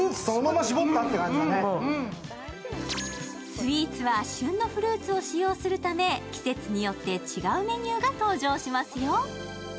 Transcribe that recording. スイーツは旬のフルーツを使用するため、季節によって違うメニューが登場しますよ。